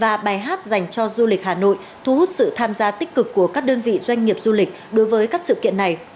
và bài hát dành cho du lịch hà nội thu hút sự tham gia tích cực của các đơn vị doanh nghiệp du lịch đối với các sự kiện này